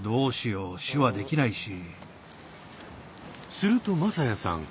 すると匡哉さん